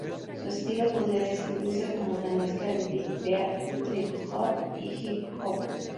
Su estilo podría describirse como una mezcla de big beat, trip-hop y hip hop.